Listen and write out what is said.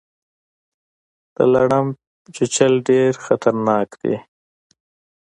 د لړم چیچل ډیر خطرناک دي